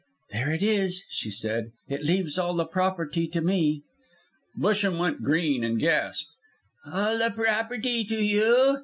"There it is," she said, "it leaves all the property to me." Busham went green and gasped, "All the property to you!"